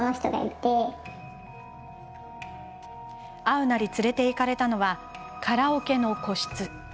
会うなり連れて行かれたのはカラオケの個室。